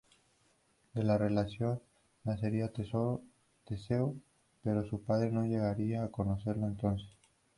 De la relación nacería Teseo, pero su padre no llegaría a conocerlo entonces.